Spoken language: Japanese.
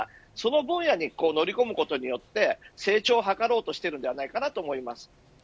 その分野に乗り込むことによって成長を図ろうとしているのではないかと思います。